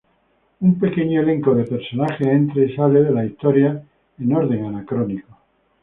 Un pequeño elenco de personajes entra y sale de las historias en orden anacrónico.